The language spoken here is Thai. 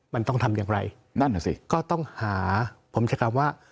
มันต้องทำอย่างไรนั่นน่ะสิก็ต้องหาผมใช้คำว่า